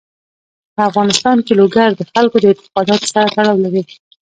په افغانستان کې لوگر د خلکو د اعتقاداتو سره تړاو لري.